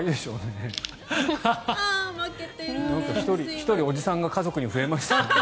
１人、おじさんが家族に増えました。